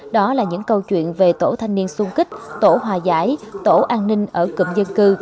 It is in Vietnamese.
đó là những câu chuyện về tổ thanh niên sung kích tổ hòa giải tổ an ninh ở cụm dân cư